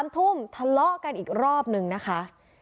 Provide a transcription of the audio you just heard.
๓ทุ่มทะเลาะกันอีกรอบนึงนะคะ